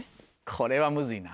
これはムズいな。